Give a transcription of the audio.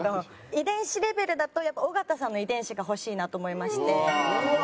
遺伝子レベルだとやっぱ尾形さんの遺伝子が欲しいなと思いまして。